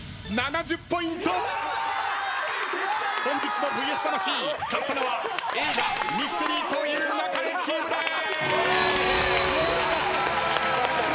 本日の『ＶＳ魂』勝ったのは映画ミステリと言う勿れチームです！